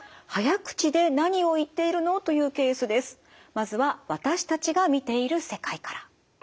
まずは私たちが見ている世界から。